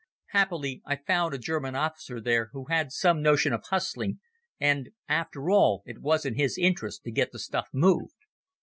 Happily I found a German officer there who had some notion of hustling, and, after all, it was his interest to get the stuff moved.